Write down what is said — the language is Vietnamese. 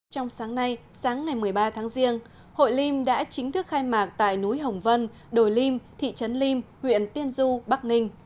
trong sáng nay sáng ngày một mươi ba tháng riêng hội lim đã chính thức khai mạc tại núi hồng vân đồi lim thị trấn lim huyện tiên du bắc ninh